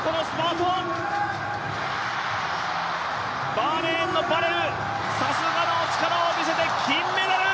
バーレーンのバレウ、さすがの力を見せて金メダル！